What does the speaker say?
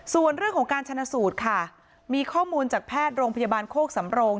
ส่วนเรื่องของการชนะสูตรค่ะมีข้อมูลจากแพทย์โรงพยาบาลโคกสำโรง